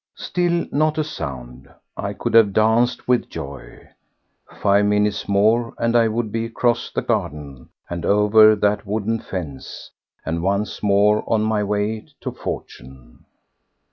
Still not a sound. I could have danced with joy. Five minutes more and I would be across the garden and over that wooden fence, and once more on my way to fortune.